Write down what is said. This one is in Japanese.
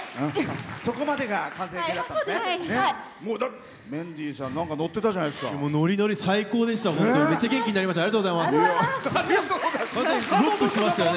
そこまでが完成形だったんですね。